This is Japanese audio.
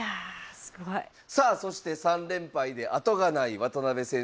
さあそして３連敗で後がない渡辺先生。